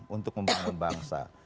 untuk membangun bangsa